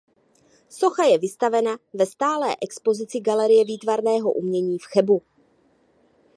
Socha je vystavena ve stálé expozici Galerie výtvarného umění v Chebu.